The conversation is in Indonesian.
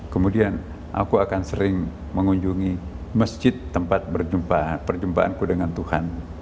kemudian aku akan sering mengunjungi masjid tempat perjumpaanku dengan tuhan